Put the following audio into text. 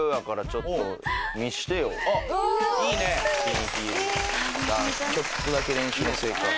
ちょっとだけ練習の成果を。